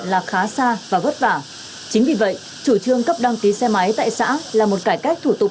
là khá xa và vất vả chính vì vậy chủ trương cấp đăng ký xe máy tại xã là một cải cách thủ tục